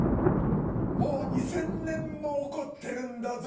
もう２０００年も怒ってるんだぞ！